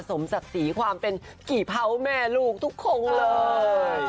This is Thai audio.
สมศักดิ์ศรีความเป็นกี่เผาแม่ลูกทุกคนเลย